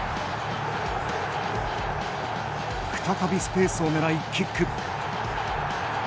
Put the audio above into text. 再びスペースを狙い、キック。